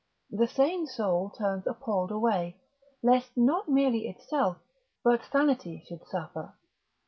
The sane soul turns appalled away, lest not merely itself, but sanity should suffer.